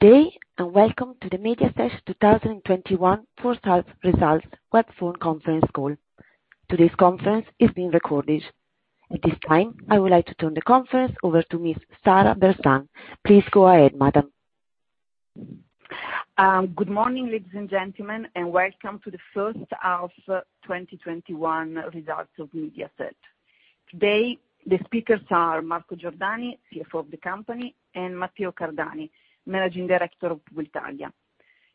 Good day, welcome to the Mediaset 2021 First Half Results Web Phone Conference Call. Today's conference is being recorded. At this time, I would like to turn the conference over to Ms. Sara Bersan. Please go ahead, madam. Good morning, ladies and gentlemen, and welcome to the H1 of 2021 results of Mediaset. Today, the speakers are Marco Giordani, CFO of the company, and Matteo Cardani, Managing Director of Publitalia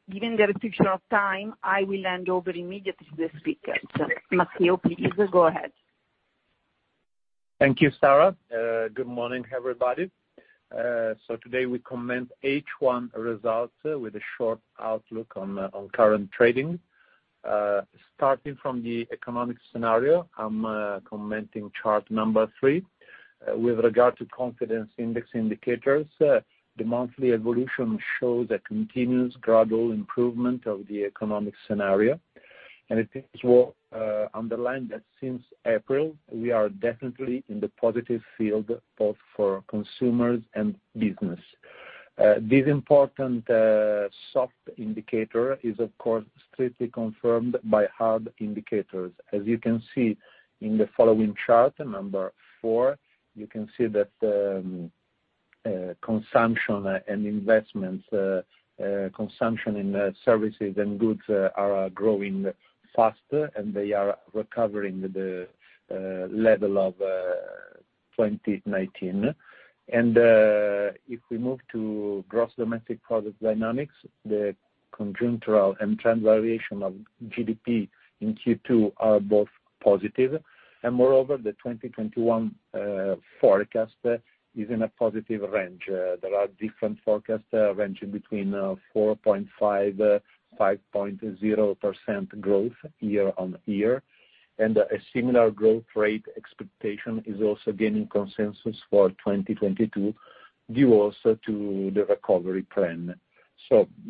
'80. Given the restriction of time, I will hand over immediately to the speakers. Matteo, please go ahead. Thank you, Sara. Good morning, everybody. Today we comment H1 results with a short outlook on current trading. Starting from the economic scenario, I'm commenting chart number three. With regard to confidence index indicators, the monthly evolution shows a continuous gradual improvement of the economic scenario. It is worth underlining that since April, we are definitely in the positive field, both for consumers and business. This important soft indicator is, of course, strictly confirmed by hard indicators. As you can see in the following chart, number four, you can see that consumption and investments, consumption in services and goods are growing faster, and they are recovering the level of 2019. If we move to gross domestic product dynamics, the conjunctural and trend variation of GDP in Q2 are both positive. Moreover, the 2021 forecast is in a positive range. There are different forecasts ranging between 4.5%-5.0% growth year-on-year. A similar growth rate expectation is also gaining consensus for 2022, due also to the recovery plan.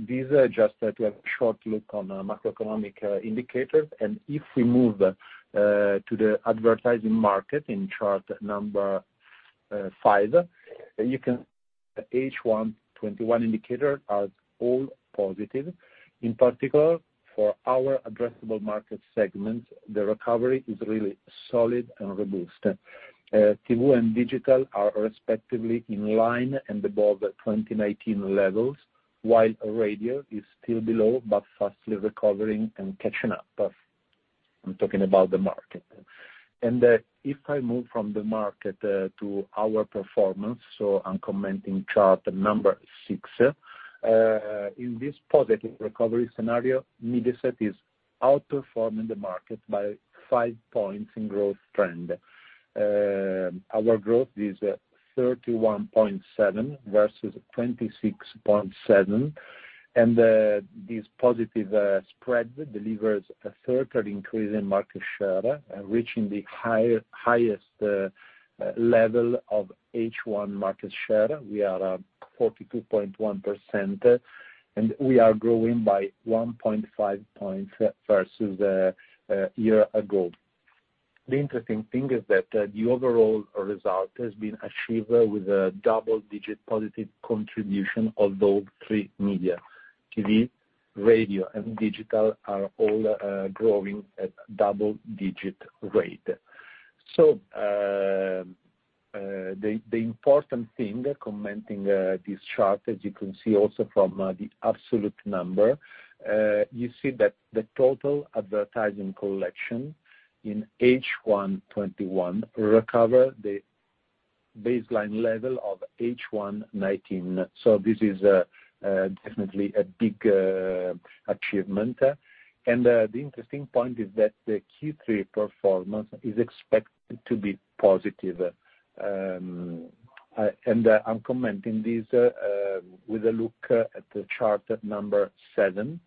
These are just a short look on macroeconomic indicators. If we move to the advertising market in chart five, H1 2021 indicators are all positive. In particular, for our addressable market segment, the recovery is really solid and robust. TV and digital are respectively in line and above 2019 levels, while radio is still below but fastly recovering and catching up. I'm talking about the market. If I move from the market to our performance, so I'm commenting chart six. In this positive recovery scenario, Mediaset is outperforming the market by five points in growth trend. Our growth is 31.7% versus 26.7%. This positive spread delivers a further increase in market share, reaching the highest level of H1 market share. We are 42.1%. We are growing by 1.5 points versus a year ago. The interesting thing is that the overall result has been achieved with a double-digit positive contribution of all three media. TV, radio, and digital are all growing at double-digit rate. The important thing, commenting this chart, as you can see also from the absolute number, you see that the total advertising collection in H1 2021 recovered the baseline level of H1 2019. This is definitely a big achievement. The interesting point is that the Q3 performance is expected to be positive. I'm commenting this with a look at the chart number seven,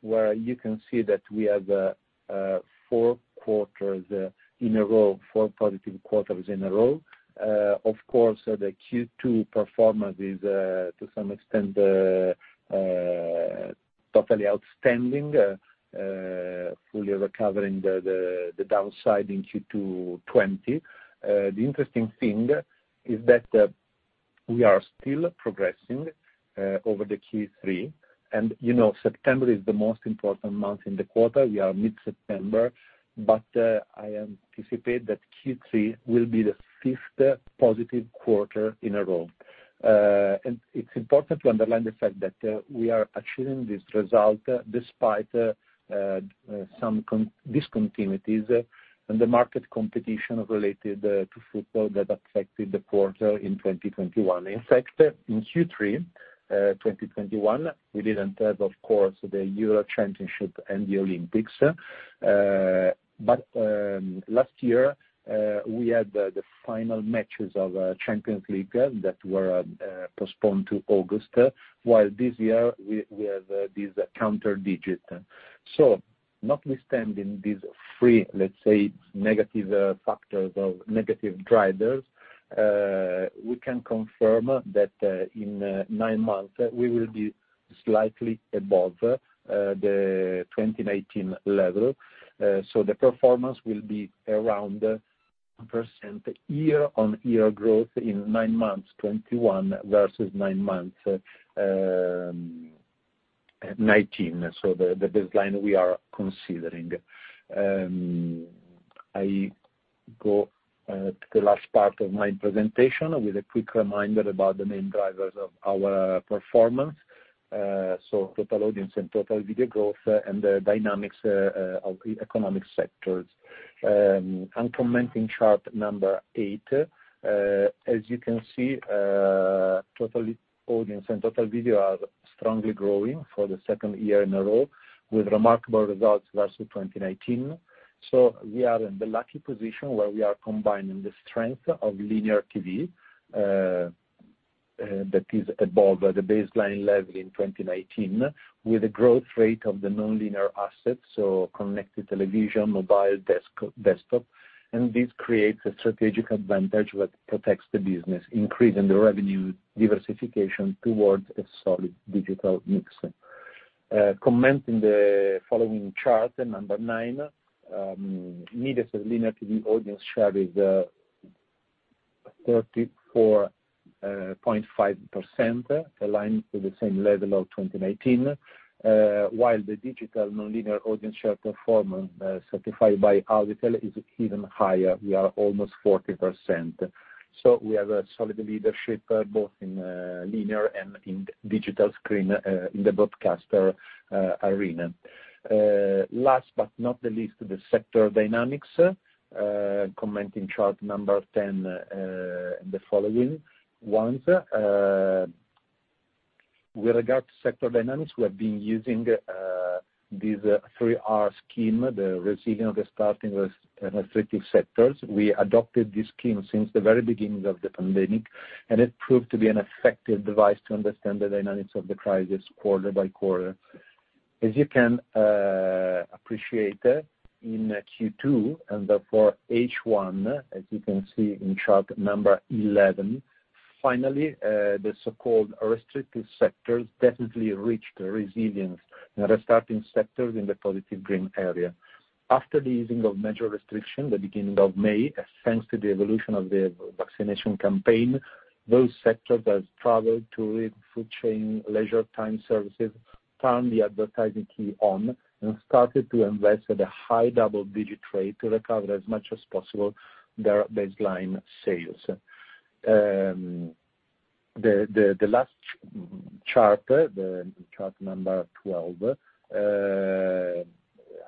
where you can see that we have four quarters in a row, four positive quarters in a row. Of course, the Q2 performance is, to some extent, totally outstanding, fully recovering the downside in Q2 '20. The interesting thing is that we are still progressing over the Q3. September is the most important month in the quarter. We are mid-September, but I anticipate that Q3 will be the fifth positive quarter in a row. It's important to underline the fact that we are achieving this result despite some discontinuities and the market competition related to football that affected the quarter in 2021. In fact, in Q3 2021, we didn't have, of course, the Euro Championship and the Olympics. Last year, we had the final matches of Champions League that were postponed to August, while this year, we have these counter digits. Notwithstanding these three, let's say, negative factors or negative drivers, we can confirm that in nine months, we will be slightly above the 2019 level. The performance will be around % year-on-year growth in nine months 2021 versus nine months 2019. The baseline we are considering. I go to the last part of my presentation with a quick reminder about the main drivers of our performance. Total audience and total video growth and the dynamics of the economic sectors. I'm commenting chart number eight. As you can see, total audience and total video are strongly growing for the second year in a row with remarkable results versus 2019. We are in the lucky position where we are combining the strength of linear TV, that is above the baseline level in 2019, with the growth rate of the nonlinear assets, connected television, mobile, desktop. This creates a strategic advantage that protects the business, increasing the revenue diversification towards a solid digital mix. Commenting the following chart, number nine. Mediaset linear TV audience share is 34.5%, aligned to the same level of 2019. While the digital nonlinear audience share performance, certified by Auditel, is even higher. We are almost 40%. We have a solid leadership both in linear and in digital screen in the broadcaster arena. Last but not the least, the sector dynamics. Commenting chart number 10 and the following ones. With regard to sector dynamics, we have been using this 3 R scheme, the resilient, restarting, restrictive sectors. We adopted this scheme since the very beginning of the pandemic, and it proved to be an effective device to understand the dynamics of the crisis quarter by quarter. As you can appreciate in Q2, and therefore H1, as you can see in chart 11, finally, the so-called restrictive sectors definitely reached the resilience in the restarting sectors in the positive green area. After the easing of major restriction, the beginning of May, thanks to the evolution of the vaccination campaign, those sectors as travel, tour, food chain, leisure time services, turned the advertising key on and started to invest at a high double-digit rate to recover as much as possible their baseline sales. The last chart number 12,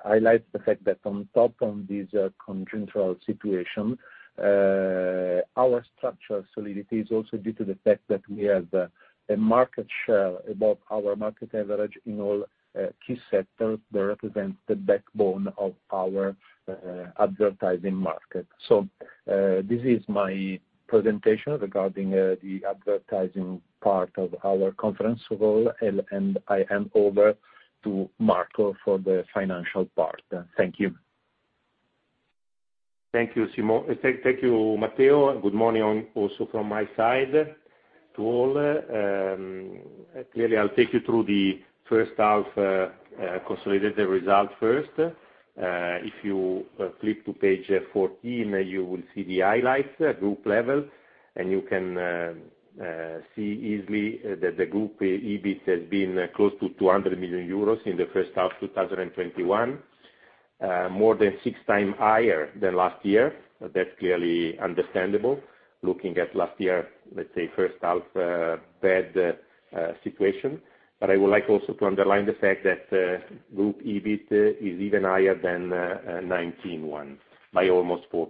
highlights the fact that on top of this conjunctural situation, our structural solidity is also due to the fact that we have a market share above our market average in all key sectors that represent the backbone of our advertising market. This is my presentation regarding the advertising part of our conference call, and I hand over to Marco for the financial part. Thank you. Thank you, Matteo. Good morning also from my side to all. I'll take you through the first half consolidated result first. If you flip to page 14, you will see the highlights, group level. You can see easily that the group EBIT has been close to 200 million euros in the H1 2021. More than six times higher than last year. That's clearly understandable looking at last year, let's say first half, bad situation. I would like also to underline the fact that group EBIT is even higher than 2019 once by almost 4%.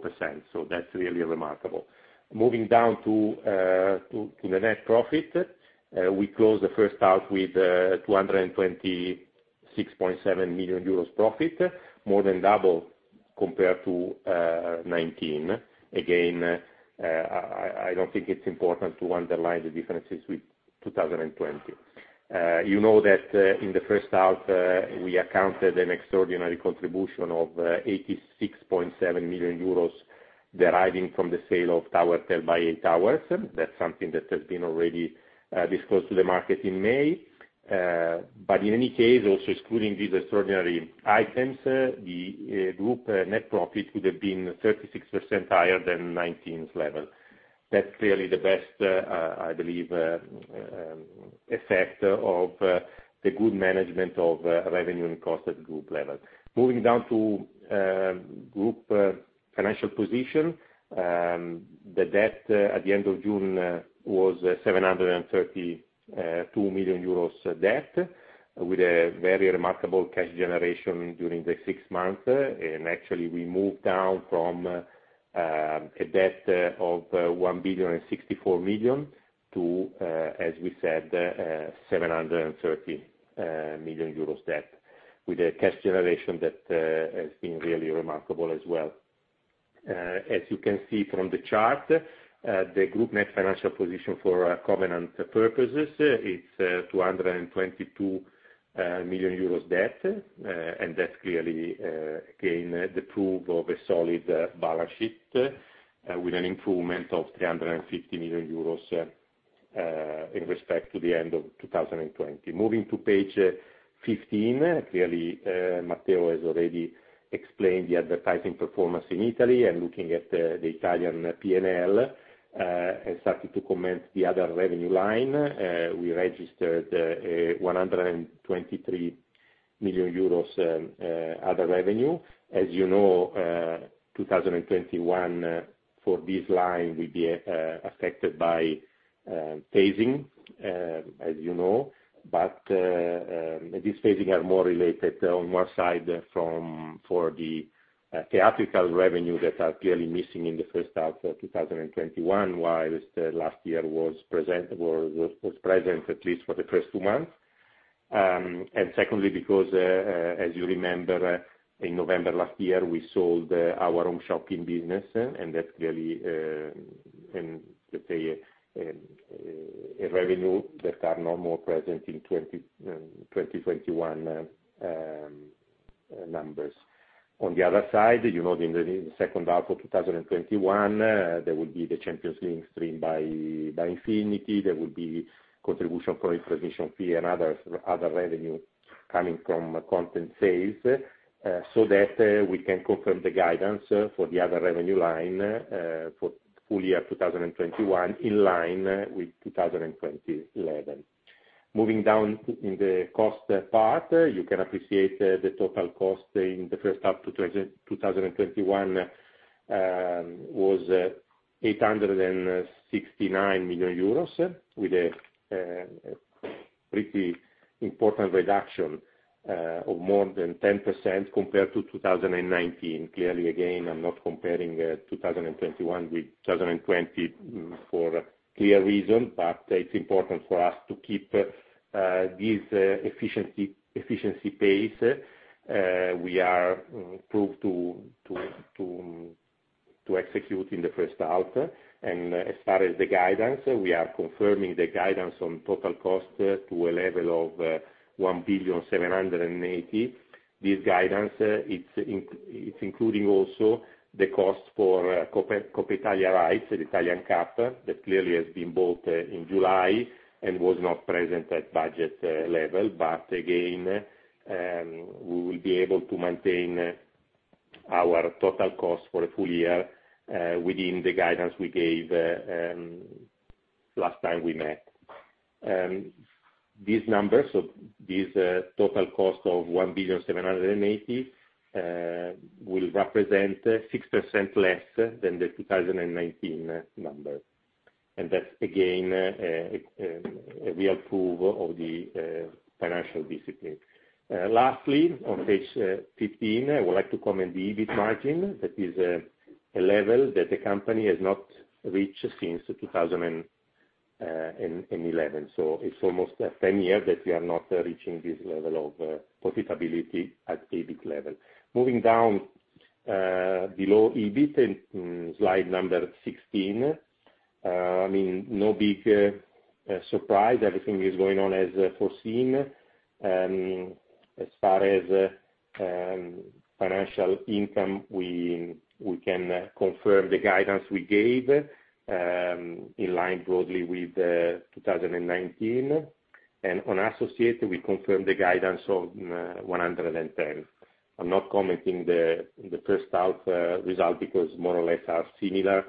That's really remarkable. Moving down to the net profit. We closed the first half with 226.7 million euros profit, more than double compared to 2019. Again, I don't think it's important to underline the differences with 2020. You know that in the first half, we accounted an extraordinary contribution of 86.7 million euros deriving from the sale of Towertel by EI Towers. That's something that has been already disclosed to the market in May. In any case, also excluding these extraordinary items, the group net profit would have been 36% higher than 2019 level. That's clearly the best, I believe, effect of the good management of revenue and cost at group level. Moving down to group financial position. The debt at the end of June was 732 million euros debt with a very remarkable cash generation during the six months. Actually, we moved down from a debt of 1,064 million to, as we said, 730 million euros debt, with a cash generation that has been really remarkable as well. As you can see from the chart, the group net financial position for covenant purposes, it's 222 million euros debt. That's clearly, again, the proof of a solid balance sheet with an improvement of 350 million euros. In respect to the end of 2020. Moving to page 15, clearly, Matteo has already explained the advertising performance in Italy looking at the Italian P&L, starting to comment the other revenue line, we registered 123 million euros other revenue. As you know, 2021 for this line will be affected by phasing, as you know. This phasing are more related on one side for the theatrical revenue that are clearly missing in the H1 of 2021, whilst last year was present at least for the first two months. Secondly, because, as you remember, in November last year, we sold our home shopping business, that's clearly a revenue that are no more present in 2021 numbers. On the other side, you know in the H2 of 2021, there will be the Champions League streamed by Infinity. There will be contribution from acquisition fee and other revenue coming from content sales, so that we can confirm the guidance for the other revenue line, for full year 2021 in line with 2020 level. Moving down in the cost part, you can appreciate the total cost in the H1 2021, was 869 million euros, with a pretty important reduction of more than 10% compared to 2019. Clearly, again, I'm not comparing 2021 with 2020 for clear reason, but it's important for us to keep this efficiency pace. We are proved to execute in the first half. As far as the guidance, we are confirming the guidance on total cost to a level of 1.78 billion. This guidance, it is including also the cost for Coppa Italia rights, the Italian Cup, that clearly has been bought in July and was not present at budget level. Again, we will be able to maintain our total cost for a full year, within the guidance we gave last time we met. These numbers of this total cost of 1 billion 780, will represent 6% less than the 2019 number. That is, again, a real proof of the financial discipline. Lastly, on page 15, I would like to comment the EBIT margin. That is a level that the company has not reached since 2011. It is almost 10 years that we are not reaching this level of profitability at EBIT level. Moving down below EBIT in slide number 16. No big surprise, everything is going on as foreseen. As far as financial income, we can confirm the guidance we gave, in line broadly with 2019. On associates, we confirm the guidance of 110. I'm not commenting the first half result because more or less are similar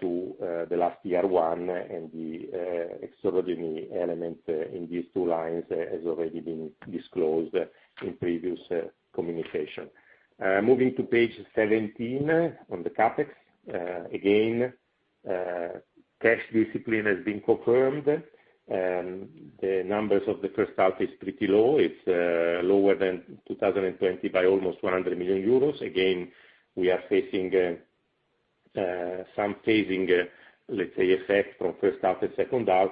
to the last year one and the extraordinary element in these two lines has already been disclosed in previous communication. Moving to page 17 on the CapEx. Cash discipline has been confirmed. The numbers of the first half is pretty low. It's lower than 2020 by almost 100 million euros. We are facing some phasing effect from first half to second half,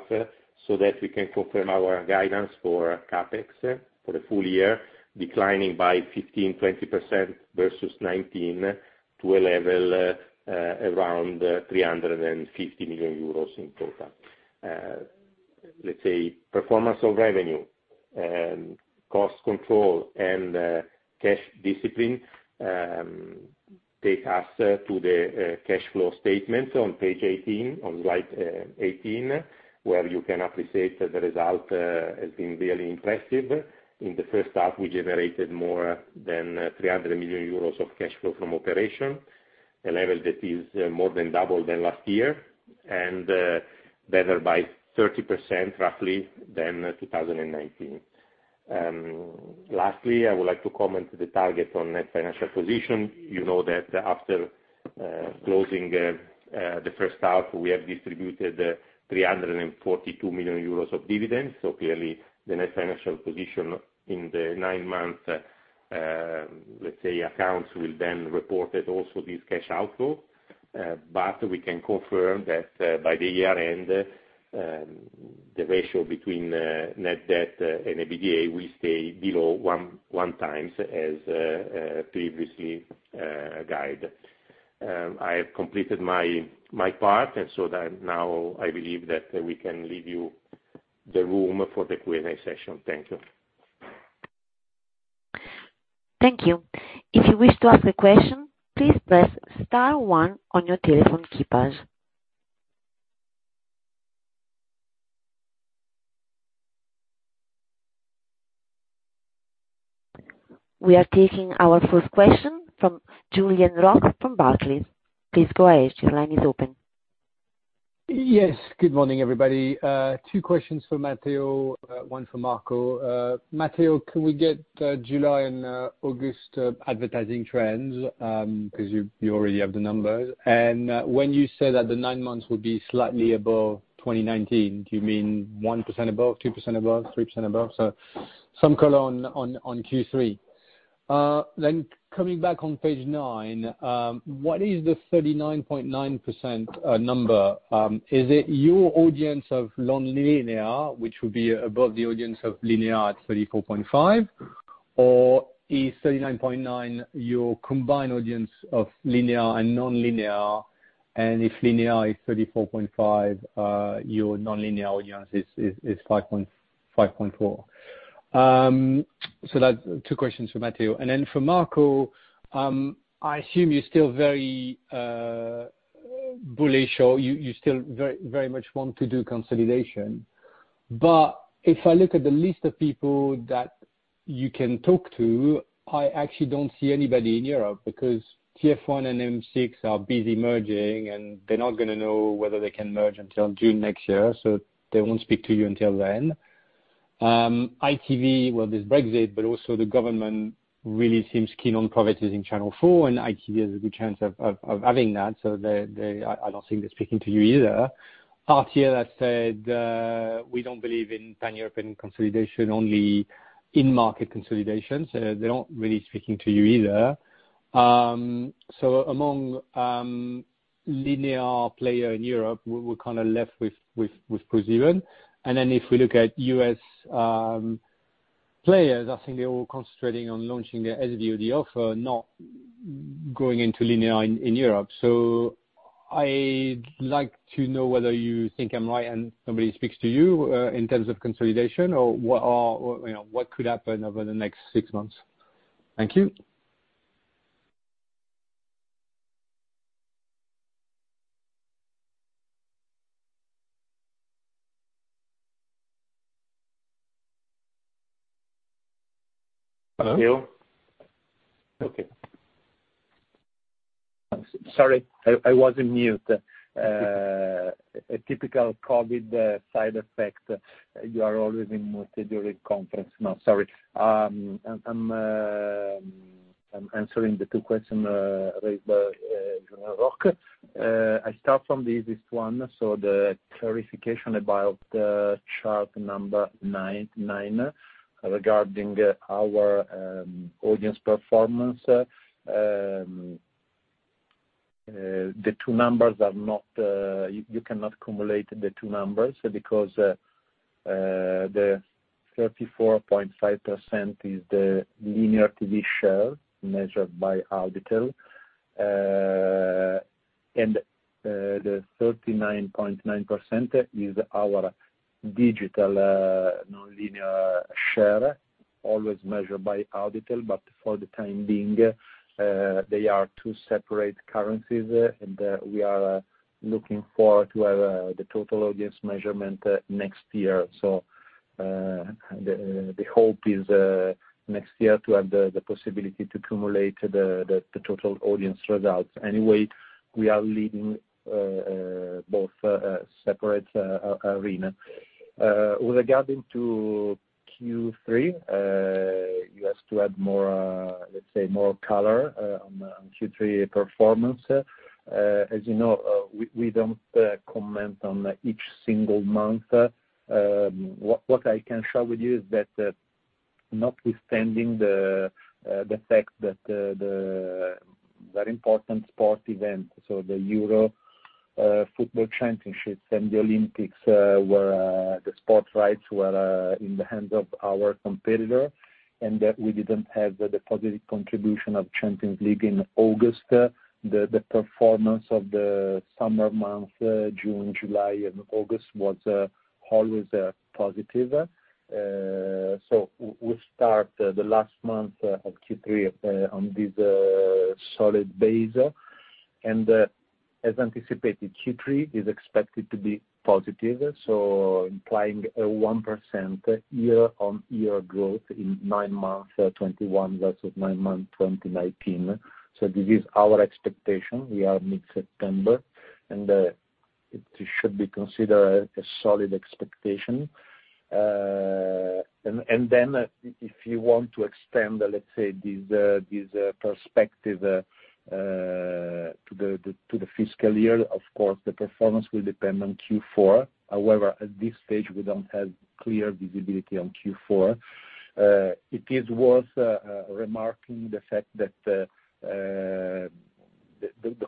so that we can confirm our guidance for CapEx for the full year, declining by 15%-20% versus 2019 to a level around 350 million euros in total. Let's say performance of revenue and cost control and cash discipline, take us to the cash flow statement on page 18, on slide 18, where you can appreciate the result has been really impressive. In the first half, we generated more than 300 million euros of cash flow from operation, a level that is more than double than last year, and better by 30%, roughly, than 2019. Lastly, I would like to comment the target on net financial position. You know that after closing the first half, we have distributed 342 million euros of dividends. Clearly the net financial position in the nine-month accounts will then report that also this cash outflow. We can confirm that by the year-end, the ratio between net debt and EBITDA will stay below 1x as previously guided. I have completed my part and so now I believe that we can leave you the room for the Q&A session. Thank you. Thank you. We are taking our first question from Julien Roch from Barclays. Please go ahead. Your line is open. Yes. Good morning, everybody. Two questions for Matteo, one for Marco. Matteo, can we get July and August advertising trends? You already have the numbers. When you say that the nine months will be slightly above 2019, do you mean 1% above, 2% above, 3% above? Some color on Q3. Coming back on page nine, what is the 39.9% number? Is it your audience of non-linear, which would be above the audience of linear at 34.5%? Is 39.9% your combined audience of linear and non-linear, and if linear is 34.5%, your non-linear audience is 5.4%? That's two questions for Matteo. Then for Marco, I assume you're still very bullish, or you still very much want to do consolidation. If I look at the list of people that you can talk to, I actually don't see anybody in Europe because TF1 and M6 are busy merging and they're not going to know whether they can merge until June next year, so they won't speak to you until then. ITV, well, there's Brexit, but also the government really seems keen on privatizing Channel 4, and ITV has a good chance of having that, so I don't think they're speaking to you either. RTL has said, "We don't believe in pan-European consolidation, only in-market consolidation," so they're not really speaking to you either. Among linear player in Europe, we're kind of left with ProSieben. If we look at U.S. players, I think they're all concentrating on launching their SVOD offer, not going into linear in Europe. I'd like to know whether you think I'm right and nobody speaks to you, in terms of consolidation or what could happen over the next six months. Thank you. Hello? Okay. Sorry, I was on mute. Okay. A typical COVID side effect. You are always muted during conference now. Sorry. I'm answering the two question raised by Julien Roch. I start from the easiest one, the clarification about the chart number nine regarding our audience performance. The two numbers, you cannot cumulate the two numbers because the 34.5% is the linear TV share measured by Auditel. The 39.9% is our digital, non-linear share, always measured by Auditel. For the time being, they are two separate currencies, and we are looking forward to have the total audience measurement next year. The hope is next year to have the possibility to cumulate the total audience results. Anyway, we are leading both separate arena. With regarding to Q3, you asked to add more color on Q3 performance. As you know, we don't comment on each single month. What I can share with you is that notwithstanding the fact that the very important sport event, the UEFA European Football Championship and the Olympic Games, the sports rights were in the hands of our competitor, and that we didn't have the positive contribution of Champions League in August. The performance of the summer month, June, July and August was always positive. We start the last month of Q3 on this solid base. As anticipated, Q3 is expected to be positive. Implying a 1% year-on-year growth in nine months 2021 versus nine months 2019. This is our expectation. We are mid-September, and it should be considered a solid expectation. Then if you want to expand, let's say, this perspective to the fiscal year, of course, the performance will depend on Q4. However, at this stage, we don't have clear visibility on Q4. It is worth remarking the fact that the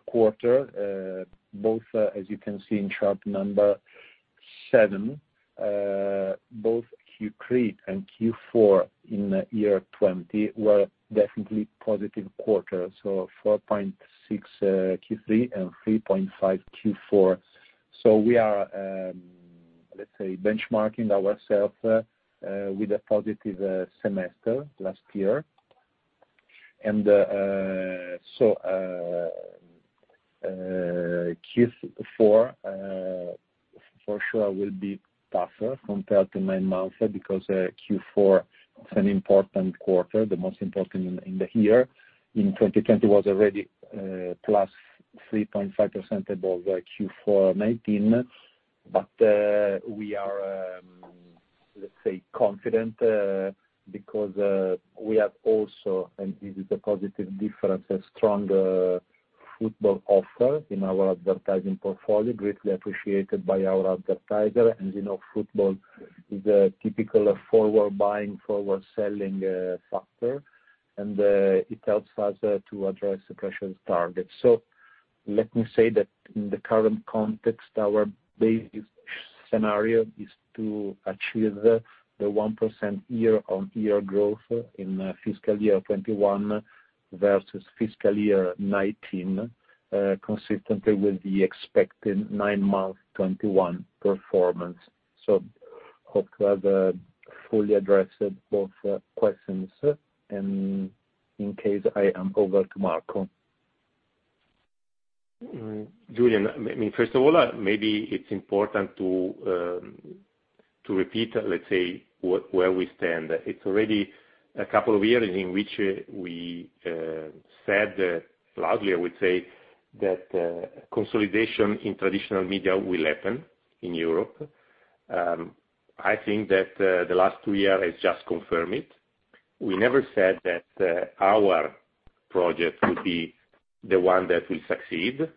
quarter, as you can see in chart number seven, both Q3 and Q4 in year 2020 were definitely positive quarters. 4.6% Q3 and 3.5% Q4. We are, let's say, benchmarking ourself with a positive semester last year. Q4 for sure will be tougher compared to 9 months because Q4 is an important quarter, the most important in the year. In 2020 was already, +3.5% above Q4 2019. We are, let's say, confident, because we have also, and this is the positive difference, a strong football offer in our advertising portfolio, greatly appreciated by our advertisers. Football is a typical forward buying, forward selling factor. It helps us to address the pressure targets. Let me say that in the current context, our base scenario is to achieve the 1% year-over-year growth in FY 2021 versus FY 2019, consistently with the expected nine-month 2021 performance. Hope to have fully addressed both questions. In case I am over to Marco. Julien, first of all, maybe it's important to repeat, let's say, where we stand. It's already a couple of years in which we said loudly, I would say, that consolidation in traditional media will happen in Europe. I think that the last two years has just confirmed it. We never said that our project would be the one that will succeed,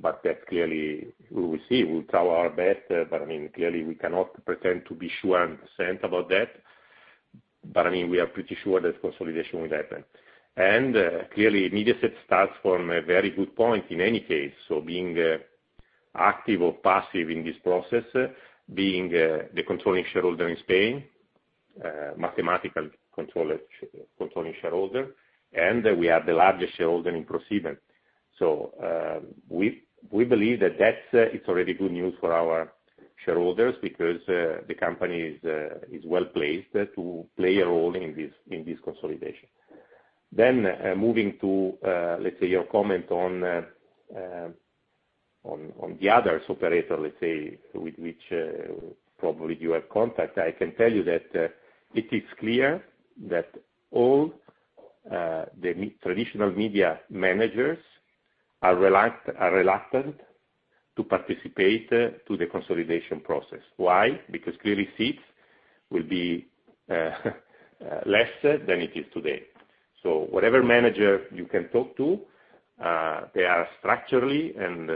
but that clearly we will see. We'll try our best, but clearly we cannot pretend to be 100% sure about that. We are pretty sure that consolidation will happen. Clearly, Mediaset starts from a very good point in any case. Being active or passive in this process, being the controlling shareholder in Spain, mathematical controlling shareholder, and we are the largest shareholder in ProSiebenSat.1. We believe that that is already good news for our shareholders because the company is well-placed to play a role in this consolidation. Moving to your comment on the others operator, let's say, with which probably you have contact. I can tell you that it is clear that all the traditional media managers are reluctant to participate to the consolidation process. Why? Clearly seats will be less than it is today. Whatever manager you can talk to, they are structurally and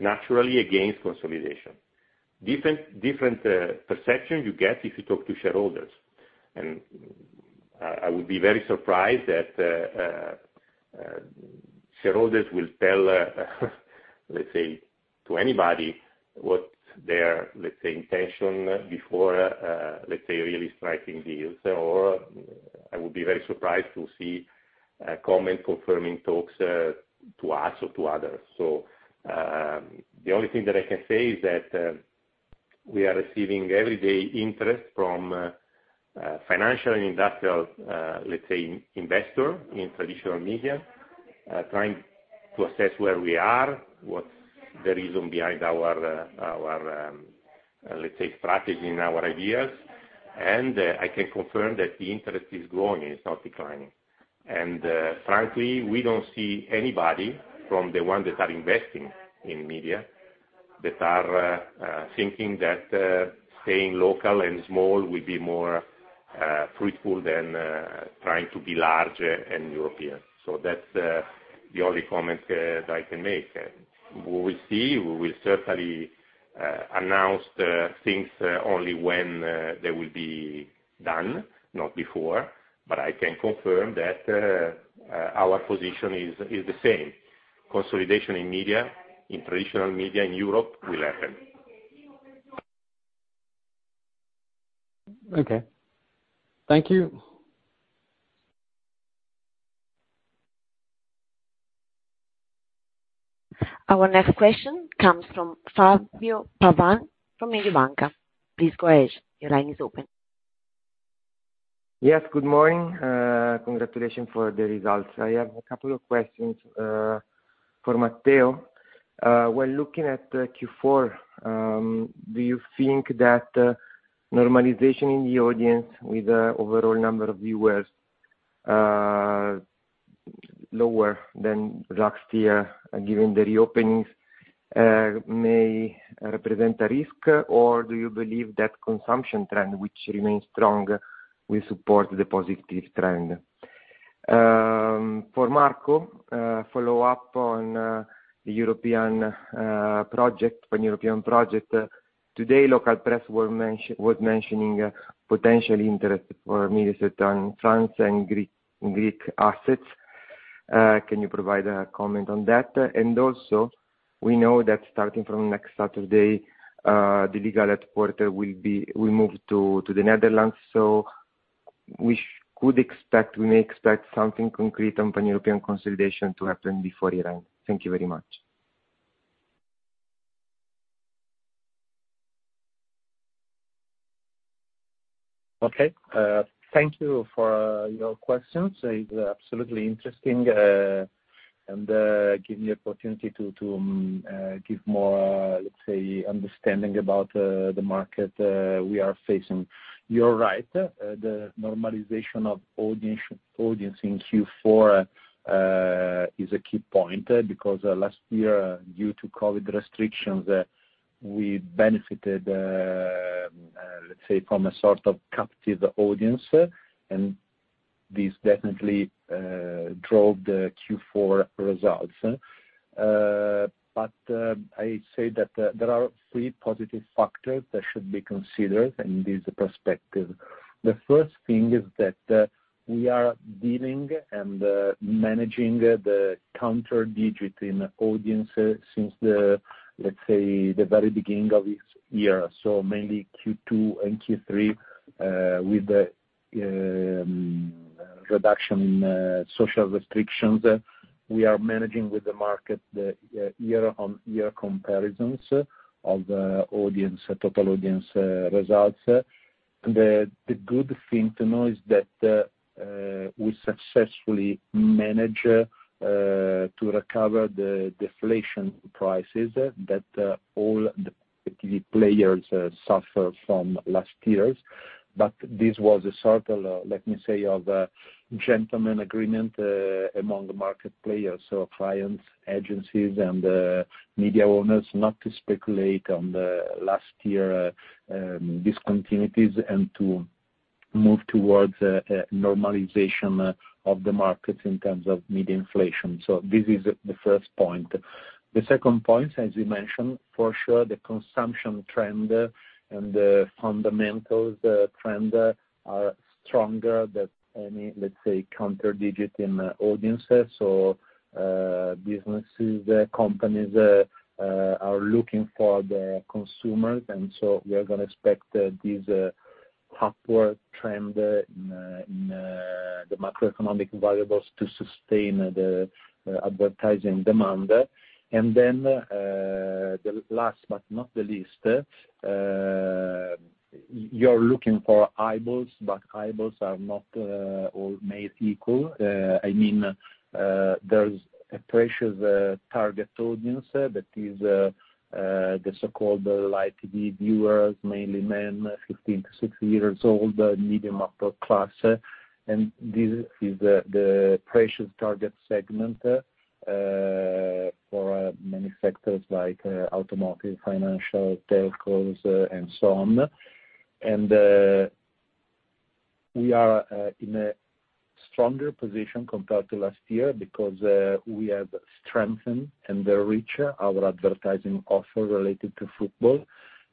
naturally against consolidation. Different perception you get if you talk to shareholders. I would be very surprised that shareholders will tell, let's say, to anybody what their intention before really striking deals or I would be very surprised to see a comment confirming talks to us or to others. The only thing that I can say is that we are receiving everyday interest from financial and industrial investors in traditional media, trying to assess where we are, what's the reason behind our strategy and our ideas. I can confirm that the interest is growing, and it's not declining. Frankly, we don't see anybody from the ones that are investing in media that are thinking that staying local and small will be more fruitful than trying to be larger and European. That's the only comment that I can make. We will see. We will certainly announce things only when they will be done, not before. I can confirm that our position is the same. Consolidation in media, in traditional media in Europe will happen. Okay. Thank you. Our next question comes from Fabio Pavan from Mediobanca. Please go ahead. Your line is open. Yes, good morning. Congratulations for the results. I have a couple of questions for Matteo. While looking at Q4, do you think that normalization in the audience with overall number of viewers lower than last year, given the reopenings, may represent a risk, or do you believe that consumption trend, which remains strong, will support the positive trend? For Marco, follow up on the European project. Today, local press was mentioning potential interest for Mediaset on France and Greek assets. We know that starting from next Saturday, the legal headquarters will move to the Netherlands. We may expect something concrete on Pan-European consolidation to happen before year-end. Thank you very much. Okay. Thank you for your questions. It is absolutely interesting, and give me opportunity to give more, let's say, understanding about the market we are facing. You're right, the normalization of audience in Q4 is a key point because last year, due to COVID-19 restrictions, we benefited, let's say, from a sort of captive audience, and this definitely drove the Q4 results. I say that there are three positive factors that should be considered in this perspective. The first thing is that we are dealing and managing the counter digit in audience since the, let's say, the very beginning of this year. Mainly Q2 and Q3, with the reduction in social restrictions. We are managing with the market the year-on-year comparisons of total audience results. The good thing to know is that we successfully manage to recover the deflation prices that all the TV players suffer from last year. This was a sort of, let me say, of a gentleman agreement, among the market players. Clients, agencies, and media owners not to speculate on the last year discontinuities and to move towards normalization of the market in terms of media inflation. This is the first point. The second point, as you mentioned, for sure, the consumption trend and the fundamentals trend are stronger than any, let's say, counter digit in audiences or businesses. Companies are looking for the consumers. We are going to expect these upward trend in the macroeconomic variables to sustain the advertising demand. The last but not the least, you're looking for eyeballs, but eyeballs are not all made equal. I mean, there's a precious target audience that is the so-called light TV viewers, mainly men, 15 to 60 years old, medium, upper class. This is the precious target segment, for many sectors like automotive, financial, telcos, and so on. We are in a stronger position compared to last year because we have strengthened and enriched our advertising offer related to football.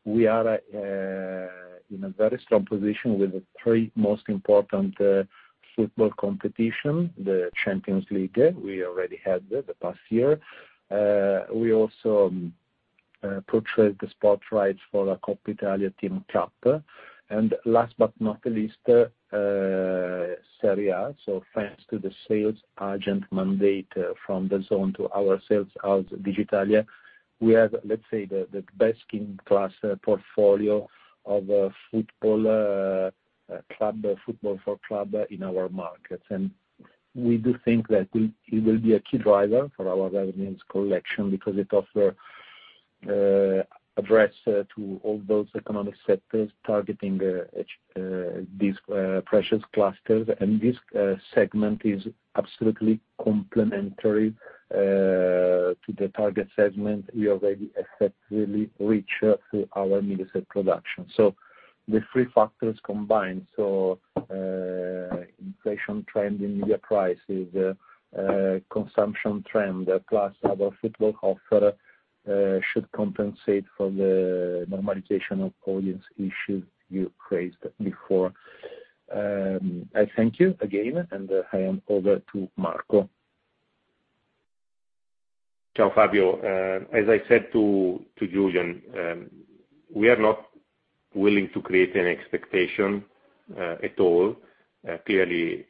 We are in a very strong position with the three most important football competition. The Champions League, we already had the past year. We also purchased the sports rights for the Coppa Italia TIM Cup. Last but not least, Serie A. Thanks to the sales agent mandate from DAZN to our sales house, Digitalia, we have, let's say, the best-in-class portfolio of football for club in our markets. We do think that it will be a key driver for our revenues collection because it offers address to all those economic sectors targeting these precious clusters. This segment is absolutely complementary to the target segment we already effectively reach through our Mediaset production. The three factors combined. Inflation trend in media prices, consumption trend, plus our football offer, should compensate for the normalization of audience issue you raised before. I thank you again, and I hand over to Marco. Ciao, Fabio. As I said to Julien, we are not willing to create any expectation at all. Clearly,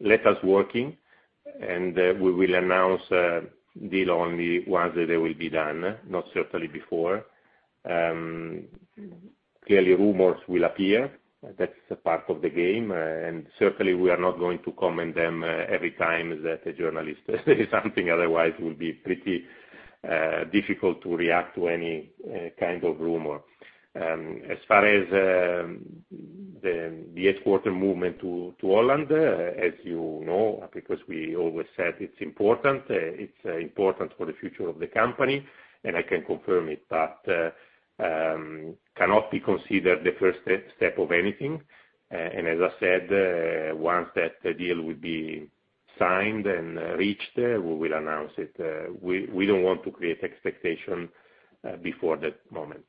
let us working, and we will announce a deal only once they will be done, not certainly before. Clearly, rumors will appear. That's a part of the game. Certainly, we are not going to comment them every time that a journalist says something. Otherwise, it would be pretty difficult to react to any kind of rumor. As far as the Dutch Quarter movement to Holland, as you know, because we always said it's important. It's important for the future of the company, and I can confirm it, but cannot be considered the first step of anything. As I said, once that deal would be signed and reached, we will announce it. We don't want to create expectation before that moment.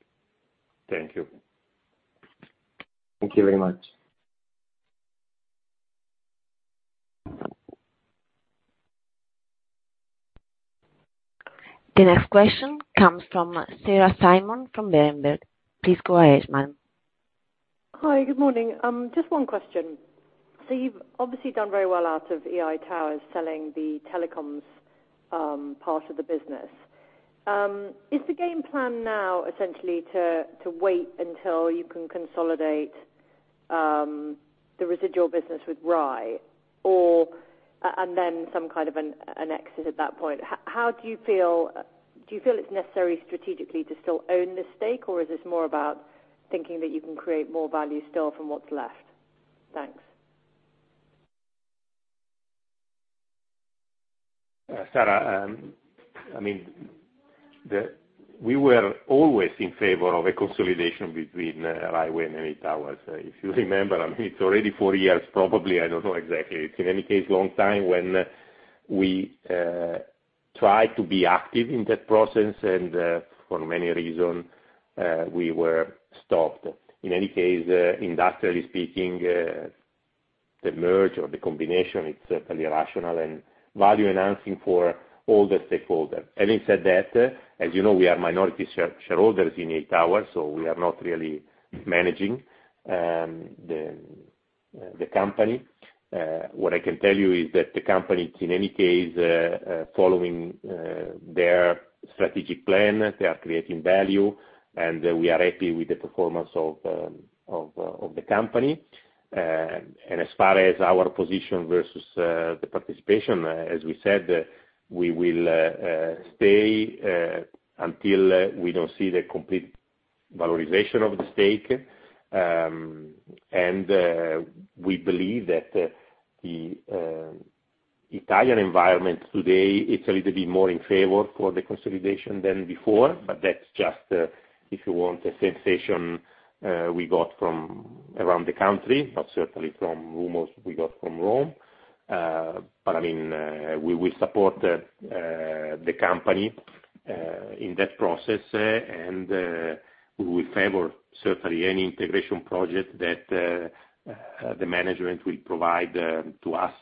Thank you. Thank you very much. The next question comes from Sarah Simon from Berenberg. Please go ahead, ma'am. Hi, good morning. Just one question. You've obviously done very well out of EI Towers selling the telecoms part of the business. Is the game plan now essentially to wait until you can consolidate the residual business with RAI, and then some kind of an exit at that point? Do you feel it's necessary strategically to still own this stake, or is this more about thinking that you can create more value still from what's left? Thanks. Sarah, we were always in favor of a consolidation between Rai Way and EI Towers. If you remember, it's already four years probably, I don't know exactly. It's in any case a long time when we tried to be active in that process and, for many reasons, we were stopped. In any case, industrially speaking, the merge or the combination, it's certainly rational and value-enhancing for all the stakeholders. Having said that, as you know, we are minority shareholders in EI Towers, so we are not really managing the company. What I can tell you is that the company, in any case, following their strategic plan, they are creating value and we are happy with the performance of the company. As far as our position versus the participation, as we said, we will stay until we don't see the complete valorization of the stake. We believe that the Italian environment today it's a little bit more in favor for the consolidation than before, but that's just, if you want, a sensation we got from around the country, but certainly from rumors we got from Rome. We will support the company in that process, and we favor certainly any integration project that the management will provide to us.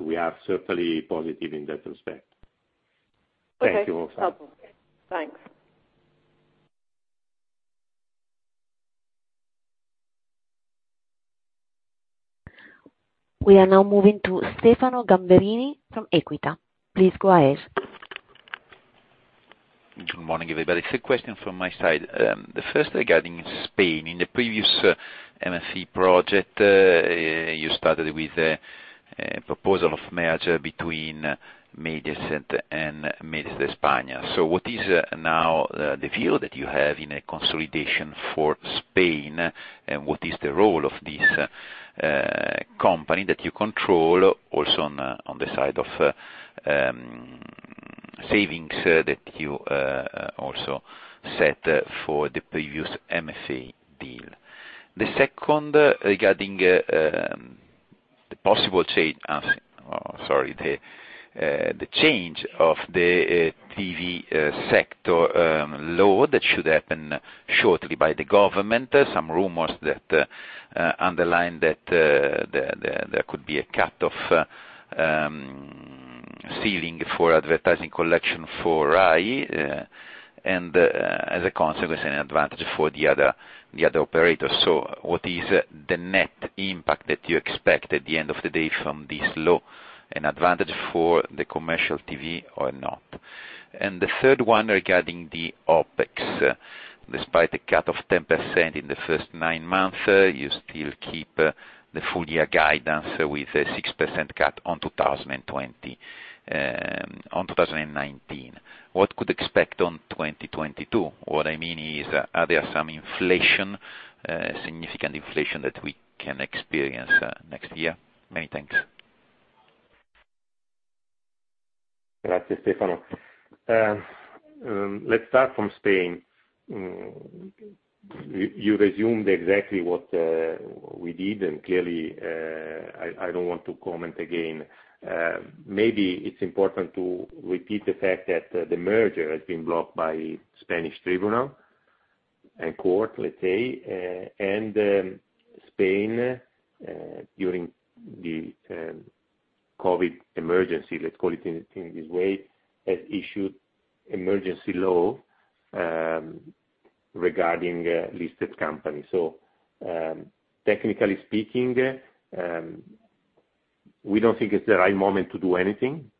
We are certainly positive in that respect. Thank you. Okay. No problem. Thanks. We are now moving to Stefano Gamberini from Equita. Please go ahead. Good morning, everybody. Two questions from my side. The first regarding Spain. In the previous MFE project, you started with a proposal of merger between Mediaset and Mediaset España. What is now the view that you have in a consolidation for Spain, and what is the role of this company that you control also on the side of savings that you also set for the previous MFE deal? The second regarding the change of the TV sector law that should happen shortly by the government. Some rumors underline that there could be a cut-off ceiling for advertising collection for RAI, and as a consequence, an advantage for the other operators. What is the net impact that you expect at the end of the day from this law? An advantage for the commercial TV or not? The third one regarding the OpEx. Despite the cut of 10% in the first nine months, you still keep the full year guidance with a 6% cut on 2020, on 2019. What could we expect on 2022? What I mean is, are there some inflation, significant inflation that we can experience next year? Many thanks. Gracias, Stefano. Let's start from Spain. You resumed exactly what we did, clearly, I don't want to comment again. Maybe it's important to repeat the fact that the merger has been blocked by Spanish tribunal and court, let's say. Spain, during the COVID-19 emergency, let's call it in this way, has issued emergency law regarding listed companies. Technically speaking, we don't think it's the right moment to do anything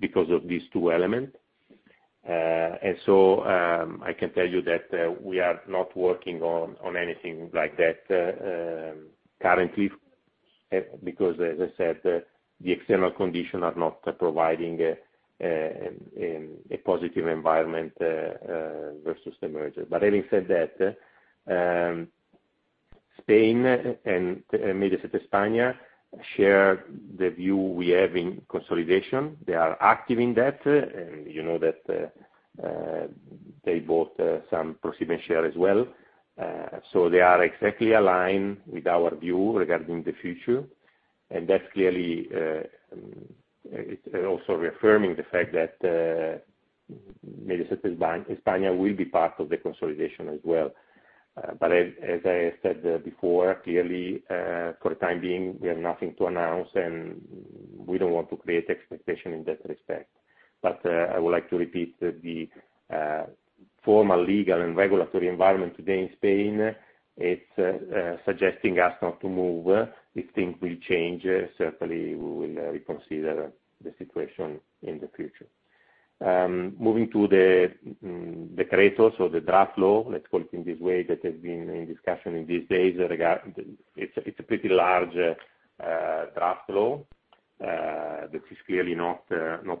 because of these two elements. I can tell you that we are not working on anything like that currently, because as I said, the external conditions are not providing a positive environment versus the merger. Having said that, Spain and Mediaset España share the view we have in consolidation. They are active in that, you know that they bought some ProSiebenSat.1 Media as well. They are exactly aligned with our view regarding the future, and that's clearly also reaffirming the fact that Mediaset España will be part of the consolidation as well. As I said before, clearly, for the time being, we have nothing to announce, and we don't want to create expectation in that respect. I would like to repeat the formal legal and regulatory environment today in Spain, it's suggesting us not to move. If things will change, certainly, we will reconsider the situation in the future. Moving to the creators or the draft law, let's call it in this way, that has been in discussion in these days. It's a pretty large draft law. This is clearly not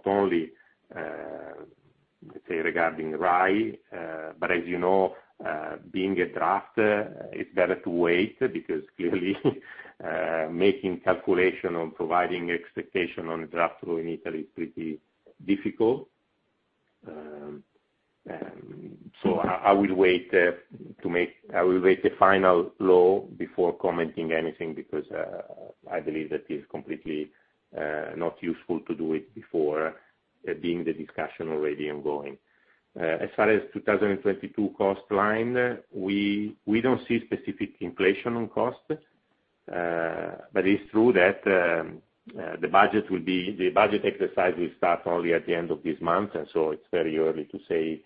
only, let's say, regarding RAI, but as you know, being a draft, it's better to wait, because clearly making calculation on providing expectation on a draft law in Italy is pretty difficult. I will wait the final law before commenting anything, because I believe that is completely not useful to do it before being the discussion already ongoing. As far as 2022 cost line, we don't see specific inflation on cost. It's true that the budget exercise will start only at the end of this month, and so it's very early to say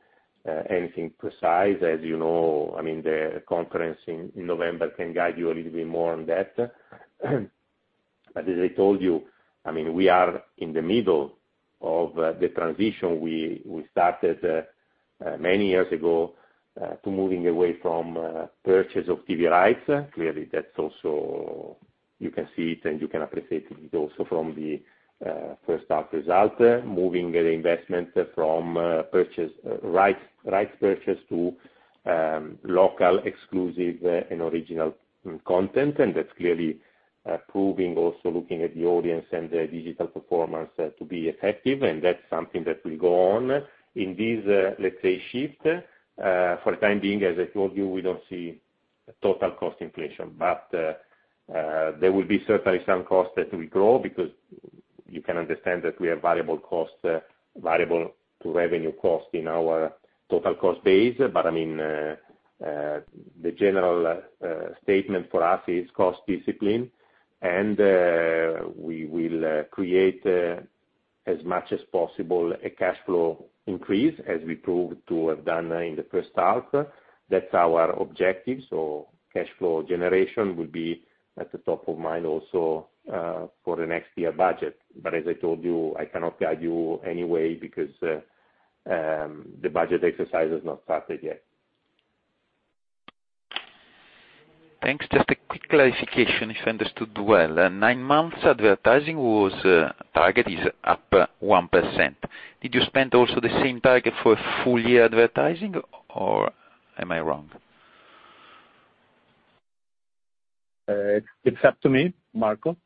anything precise. As you know, the conference in November can guide you a little bit more on that. As I told you, we are in the middle of the transition we started many years ago to moving away from purchase of TV rights. That's also, you can see it and you can appreciate it also from the first half result, moving the investment from rights purchase to local exclusive and original content, and that's clearly proving, also looking at the audience and the digital performance to be effective, and that's something that will go on. In this, let's say, shift, for the time being, as I told you, we don't see total cost inflation. There will be certainly some costs that will grow, because you can understand that we have variable cost, variable to revenue cost in our total cost base. The general statement for us is cost discipline, and we will create as much as possible a cash flow increase as we proved to have done in the first half. That's our objective. Cash flow generation will be at the top of mind also for the next year budget. As I told you, I cannot guide you any way because the budget exercise has not started yet. Thanks. Just a quick clarification if I understood well. Nine months advertising target is up 1%. Did you spend also the same target for full year advertising, or am I wrong? It's up to me, Marco?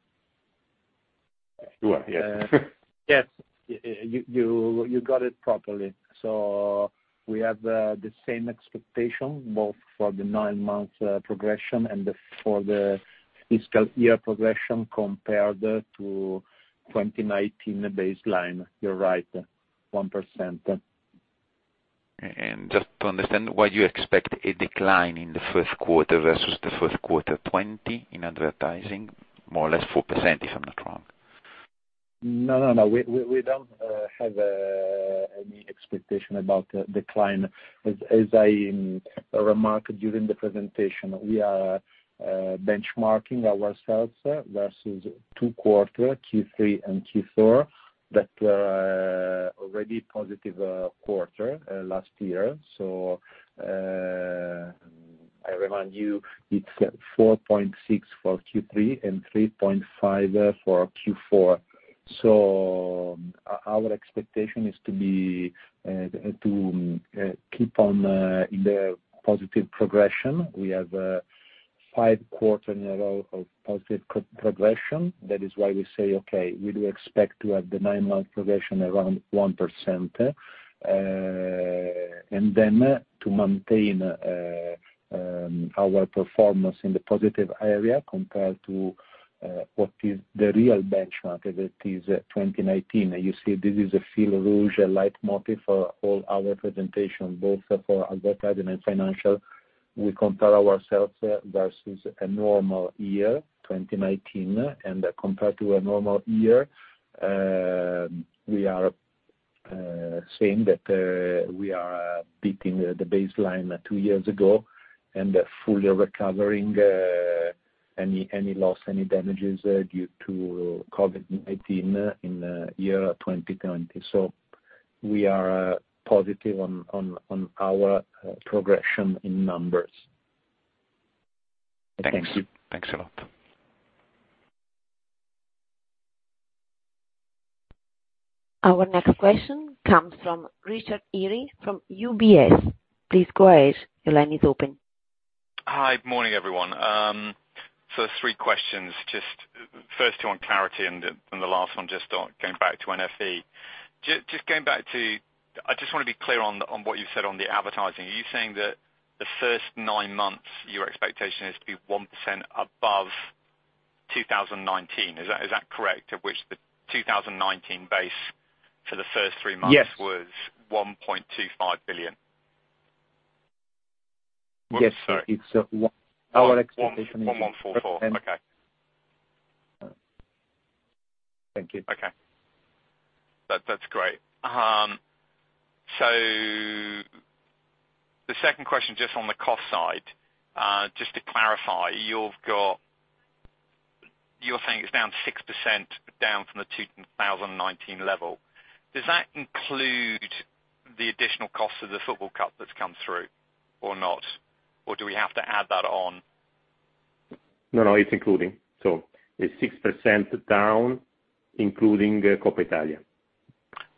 You are, yes. Yes. You got it properly. We have the same expectation both for the nine months progression and for the fiscal year progression compared to 2019 baseline. You're right, 1%. Just to understand why you expect a decline in the first quarter versus the first quarter 2020 in advertising, more or less 4%, if I'm not wrong? No. We don't have any expectation about decline. As I remarked during the presentation, we are benchmarking ourselves versus two quarter, Q3 and Q4, that were already positive quarter last year. I remind you, it's 4.6% for Q3 and 3.5% for Q4. Our expectation is to keep on in the positive progression. We have 5 quarter in a row of positive progression. That is why we say, okay, we do expect to have the nine-month progression around 1%. To maintain our performance in the positive area compared to what is the real benchmark, that is 2019. You see, this is a fil rouge, a leitmotif for all our presentation, both for advertising and financial. We compare ourselves versus a normal year, 2019. Compared to a normal year, we are saying that we are beating the baseline two years ago and fully recovering any loss, any damages due to COVID-19 in the year 2020. We are positive on our progression in numbers. Thanks. Thanks a lot. Our next question comes from Richard Earl from UBS. Please go ahead. Your line is open. Hi. Morning, everyone. three questions. Just first two on clarity and the last one just on going back to MFE-MediaForEurope. I just want to be clear on what you said on the advertising. Are you saying that the first 9 months, your expectation is to be 1% above 2019. Is that correct? Of which the 2019 base for the first 3 months? Yes was 1.25 billion. Yes. Sorry. Our expectation is. Okay. Thank you. Okay. That's great. The second question, just on the cost side, just to clarify, you're saying it's down 6% down from the 2019 level. Does that include the additional cost of the football cup that's come through or not? Or do we have to add that on? No, it's including. It's 6% down, including Coppa Italia.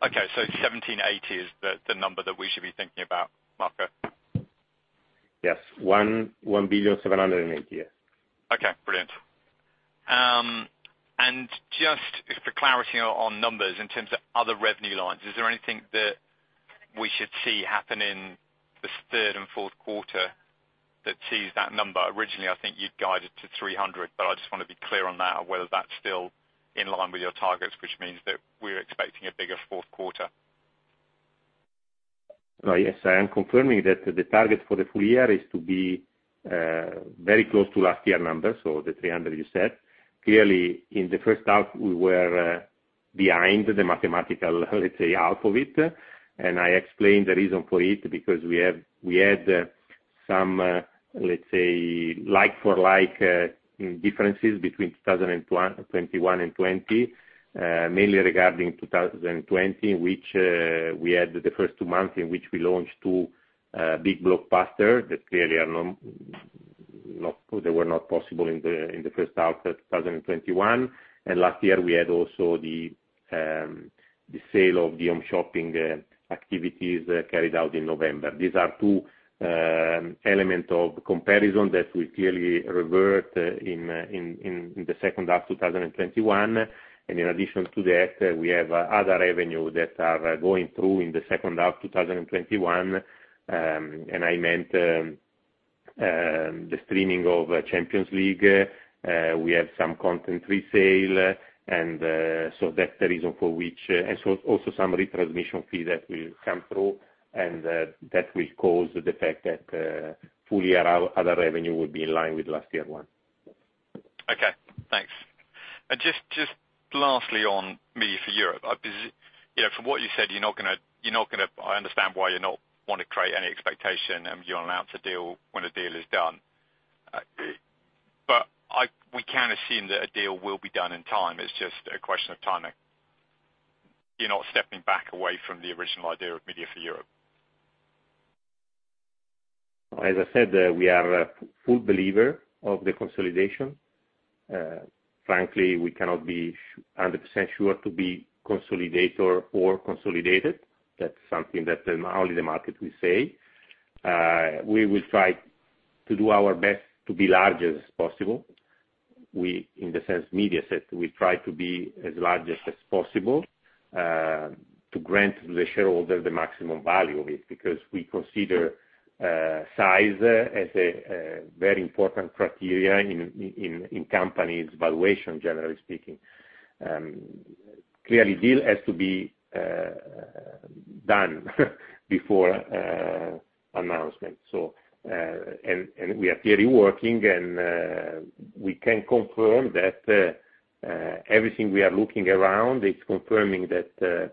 Okay, 1,780 is the number that we should be thinking about, Marco? Yes. 1 billion, 780, yes. Okay, brilliant. Just for clarity on numbers in terms of other revenue lines, is there anything that we should see happen in this third and fourth quarter that sees that number? Originally, I think you'd guided to 300, I just want to be clear on that, whether that's still in line with your targets, which means that we're expecting a bigger fourth quarter. Yes. I am confirming that the target for the full year is to be very close to last year's numbers, so the 300 you said. Clearly, in the first half, we were behind the mathematical, let's say, half of it. I explained the reason for it, because we had some, let's say, like for like, differences between 2021 and 2020. Mainly regarding 2020, we had the first two months in which we launched two big blockbusters that clearly, they were not possible in the H1 of 2021. Last year, we had also the sale of the home shopping activities carried out in November. These are two elements of comparison that will clearly revert in the second half of 2021. In addition to that, we have other revenue that are going through in the second half of 2021. I meant the streaming of Champions League. We have some content resale. Also some retransmission fee that will come through, and that will cause the fact that full year other revenue will be in line with last year one. Okay, thanks. Just lastly on MediaForEurope. From what you said, I understand why you not want to create any expectation, and you'll announce a deal when a deal is done. We can assume that a deal will be done in time. It's just a question of timing. You're not stepping back away from the original idea of MediaForEurope? As I said, we are a full believer of the consolidation. We cannot be 100% sure to be consolidator or consolidated. That's something that only the market will say. We will try to do our best to be large as possible. We, in the sense Mediaset, will try to be as large as possible, to grant the shareholder the maximum value of it, because we consider size as a very important criteria in companies' valuation, generally speaking. Deal has to be done before announcement. We are clearly working, and we can confirm that everything we are looking around, it's confirming that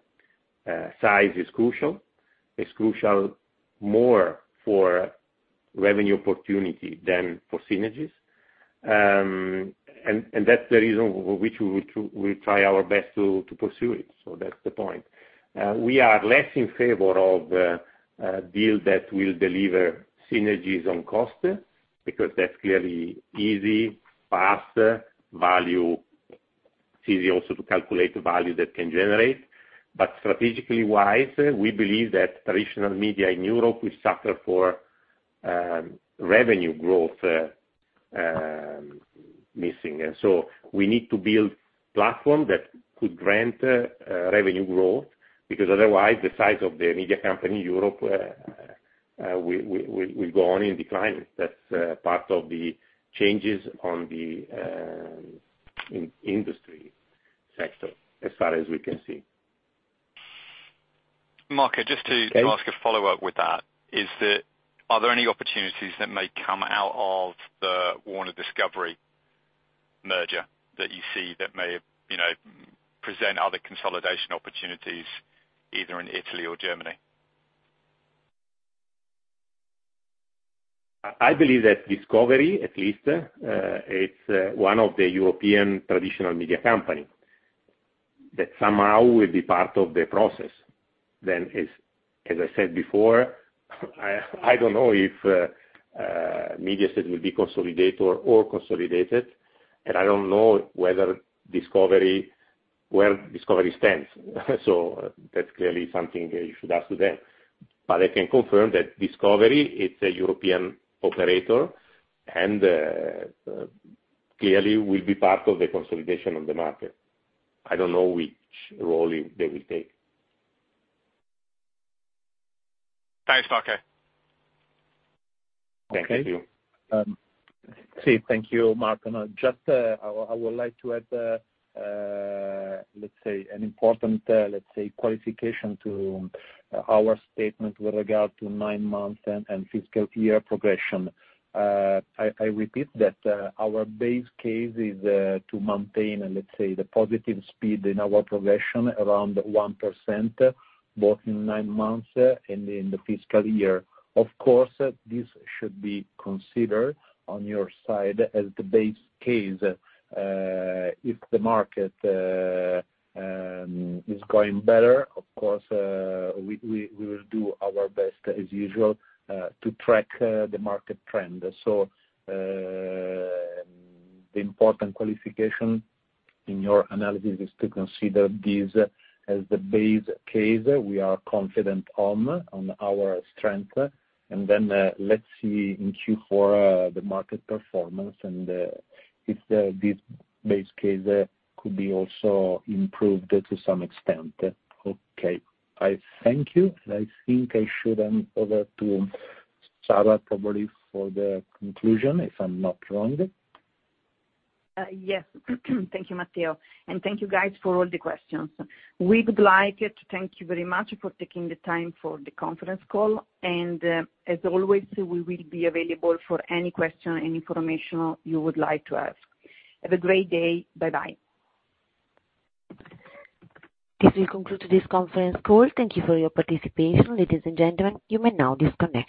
size is crucial. It's crucial more for revenue opportunity than for synergies. That's the reason we try our best to pursue it. That's the point. We are less in favor of a deal that will deliver synergies on cost, because that's clearly easy, fast value. It's easy also to calculate the value that can generate. Strategically wise, we believe that traditional media in Europe will suffer for revenue growth missing. We need to build platform that could grant revenue growth, because otherwise, the size of the media company in Europe will go on in decline. That's part of the changes on the industry sector, as far as we can see. Marco, just to ask a follow-up with that. Are there any opportunities that may come out of the Warner Discovery merger that you see that may present other consolidation opportunities, either in Italy or Germany? I believe that Discovery, at least, it's one of the European traditional media company that somehow will be part of the process. As I said before, I don't know if Mediaset will be consolidator or consolidated, and I don't know where Discovery stands. That's clearly something you should ask to them. I can confirm that Discovery, it's a European operator, and clearly will be part of the consolidation of the market. I don't know which role they will take. Thanks, Marco. Thank you. Okay. Si. Thank you, Marco. Now just, I would like to add, let's say an important qualification to our statement with regard to nine months and fiscal year progression. I repeat that our base case is to maintain, let's say, the positive speed in our progression around 1%, both in nine months and in the fiscal year. Of course, this should be considered on your side as the base case. If the market is going better, of course, we will do our best as usual, to track the market trend. The important qualification in your analysis is to consider this as the base case. We are confident on our strength. Then, let's see in Q4 the market performance and if this base case could be also improved to some extent. Okay. I thank you. I think I should hand over to Sara, probably for the conclusion, if I'm not wrong. Yes. Thank you, Matteo. Thank you guys for all the questions. We would like to thank you very much for taking the time for the conference call. As always, we will be available for any question, any information you would like to ask. Have a great day. Bye-bye. This will conclude this conference call. Thank you for your participation. Ladies and gentlemen, you may now disconnect.